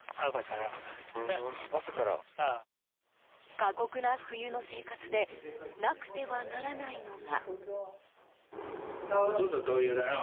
過酷な冬の生活でなくてはならないのが。